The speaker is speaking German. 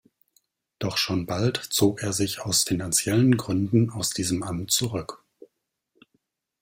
Doch schon bald zog er sich aus finanziellen Gründen aus diesem Amt zurück.